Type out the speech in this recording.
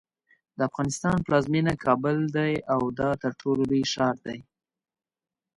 د افغانستان پلازمینه کابل ده او دا ترټولو لوی ښار دی.